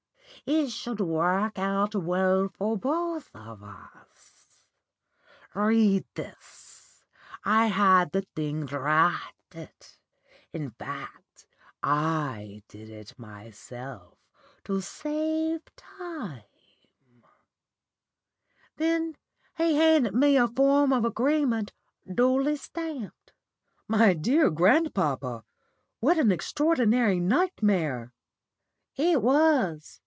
It should work out well for both of us. Read this. I had the thing drafted; in fact, I did it myself to save time.' Then he handed me a form of agreement duly stamped." "My dear grandpapa, what an extraordinary nightmare!" "It was.